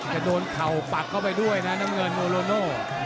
จะโดนเข่าปักเข้าไปด้วยนะน้ำเงินโนโลโน่